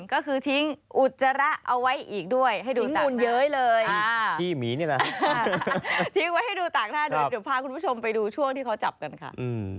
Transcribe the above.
ก็คือทิ้งอุจจระเอาไว้อีกด้วยให้ดูต่างหน้า